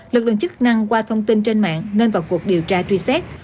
lực lượng chức năng qua thông tin trên mạng nên vào cuộc điều tra truy xét